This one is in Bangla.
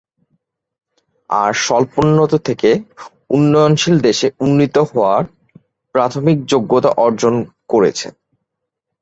আর স্বল্পোন্নত থেকে উন্নয়নশীল দেশে উন্নীত হওয়ার প্রাথমিক যোগ্যতা অর্জন করেছে।